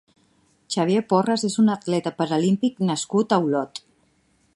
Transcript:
Xavier Porras és un atleta paralímpic nascut a Olot.